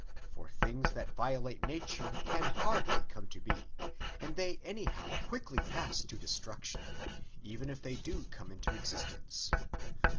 For things that violate nature can hardly come to be ; and they any how quickly pass to destruction, even if they do come into existence.